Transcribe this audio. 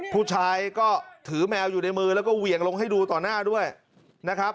ผู้ชายก็ถือแมวอยู่ในมือแล้วก็เหวี่ยงลงให้ดูต่อหน้าด้วยนะครับ